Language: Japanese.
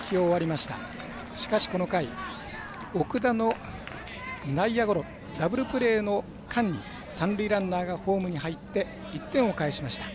しかし、この回奥田の内野ゴロダブルプレーの間に三塁ランナーがホームにかえって１点を返しました。